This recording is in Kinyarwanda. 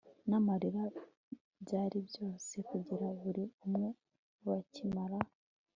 namarira byari byose kuri buri umwe bakimara